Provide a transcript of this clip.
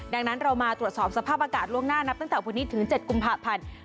ดังนั้นเรามาตรวจสอบสภาพอากาศล่วงหน้านับตั้งแต่วันนี้ถึง๗กุมภาพันธ์